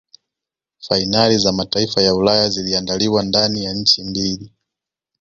fainali za mataifa ya Ulaya ziliandaliwa ndani ya nchi mbili